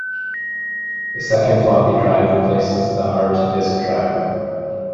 The second floppy drive replaces the hard disk drive.